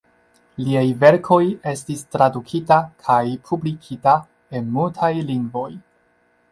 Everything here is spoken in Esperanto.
Liaj verkoj estis tradukita kaj publikita en multaj lingvoj.